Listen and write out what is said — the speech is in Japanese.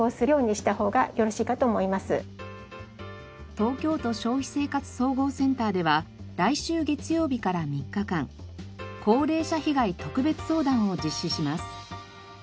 東京都消費生活総合センターでは来週月曜日から３日間高齢者被害特別相談を実施します。